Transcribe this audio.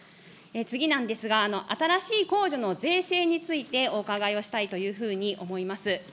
次なんですが、新しい控除の税制について、お伺いをしたいというふうに思います。